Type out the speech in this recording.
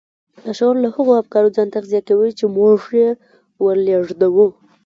لاشعور له هغو افکارو ځان تغذيه کوي چې موږ يې ور لېږدوو.